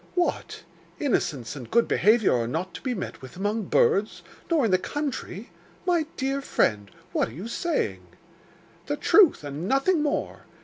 'What! innocence and good behaviour are not to be met with among birds, nor in the country! My dear friend, what are you saying?' 'The truth and nothing more.